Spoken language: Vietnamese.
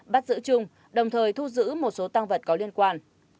bắt giữ trung đồng thời thu giữ một số tăng vật có liên quan